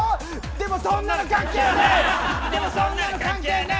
でもそんなの関係ねえ！